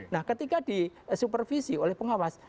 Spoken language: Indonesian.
nah ketika disupervisi oleh pengawas